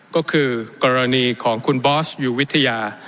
ก็คือกรณีของคุณบอสอยู่วิทยา